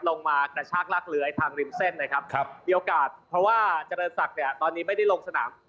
กระชากลากเลื้อยทางริมเส้นนะครับครับมีโอกาสเพราะว่าเจริญศักดิ์เนี่ยตอนนี้ไม่ได้ลงสนาม